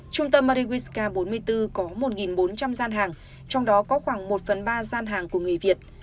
trung tâm mariska bốn mươi bốn có một bốn trăm linh gian hàng trong đó có khoảng một phần ba gian hàng của người việt